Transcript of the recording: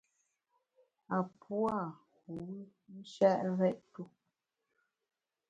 A pua’ wù nshèt rèt-tu.